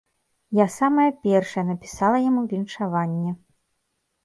Я самая першая напісала яму віншаванне.